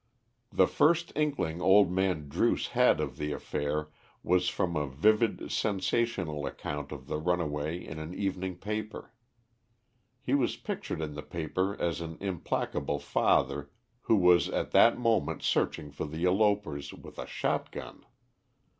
The first inkling old man Druce had of the affair was from a vivid sensational account of the runaway in an evening paper. He was pictured in the paper as an implacable father who was at that moment searching for the elopers with a shot gun.